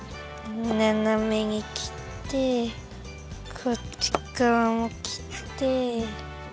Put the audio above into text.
ななめに切ってこっちっかわも切って。